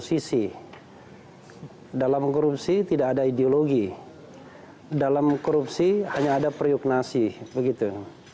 di dpr kita tidak ada oposisi dalam korupsi tidak ada ideologi dalam korupsi hanya ada periuk nasi begitu